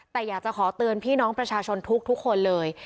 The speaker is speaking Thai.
แต่อยากจะขอเตือนพี่น้องประชาชนทุกคนเลย